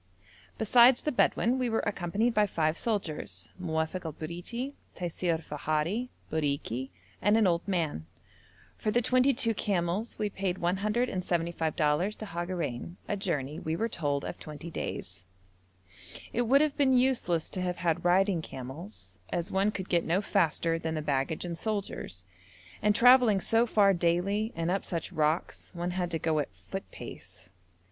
Besides the Bedouin we were accompanied by five soldiers, Muofok el Briti, Taisir i Fahari, Bariki, and an old man. For the twenty two camels we paid 175 dollars to Hagarein, a journey, we were told, of twenty days. It would have been useless to have had riding camels, as one could get no faster than the baggage and soldiers, and travelling so far daily, and up such rocks, one had to go at foot pace.